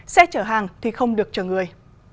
xe chở hàng thì không được chở người